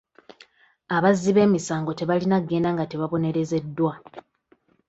Abazzi b'emisango tebalina kugenda nga tebabonerezeddwa.